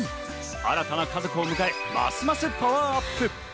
新たな家族を迎え、ますますパワーアップ。